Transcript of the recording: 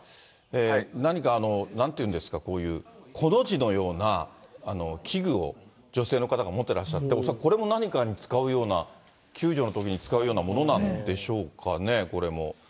何か、なんていうんですか、こういう、コの字のような、器具を女性の方が持ってらっしゃって恐らくこれも何かに使うような、救助のときに使うようなものなんでしょうかね、これも。